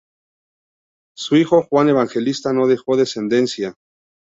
Su hijo Juan Evangelista no dejó descendencia.